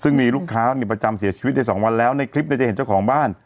ซึ่งมีลูกค้าประจำเสียชีวิตได้สองวันแล้วในคลิปเนี่ยจะเห็นเจ้าของบ้าน